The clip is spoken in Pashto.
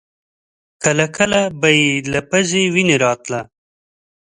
کله کله به يې له پزې وينه راتله.